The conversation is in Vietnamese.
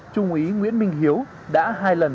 trung úy nguyễn minh hiếu đã hai lần